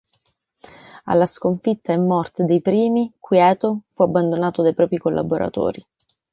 Alla sconfitta e morte dei primi, Quieto fu abbandonato dai propri collaboratori.